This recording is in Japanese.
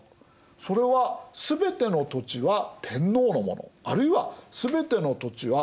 それは全ての土地は天皇のものあるいは全ての土地は国家のもの。